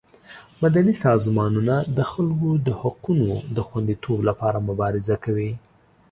مدني سازمانونه د خلکو د حقونو د خوندیتوب لپاره مبارزه کوي.